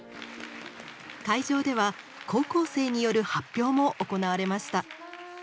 会場では高校生による発表も行われました。